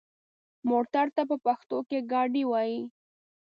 موټر ته په پښتو کې ګاډی وايي.